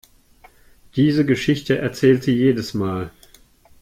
Diese Geschichte erzählt sie jedes Mal.